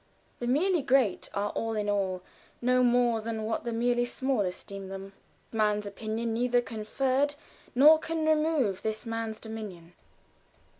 "The merely great are, all in all, No more than what the merely small Esteem them. Man's opinion Neither conferred nor can remove This man's dominion."